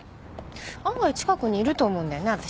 案外近くにいると思うんだよね私。